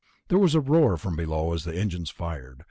There was a roar from below as the engines fired.